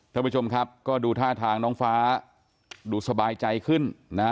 ท่านผู้ชมครับก็ดูท่าทางน้องฟ้าดูสบายใจขึ้นนะฮะ